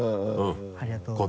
ありがとうございます。